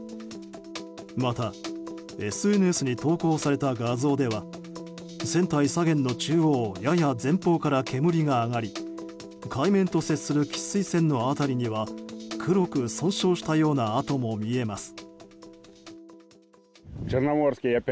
また、ＳＮＳに投稿された画像では船体左舷の中央やや前方から煙が上がり海面と接する喫水線の辺りには黒く損傷したような跡も見えます。